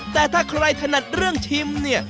แต่ถ้าใครถนัดเรื่องชิมเนี่ย